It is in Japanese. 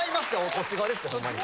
こっち側ですってほんまに。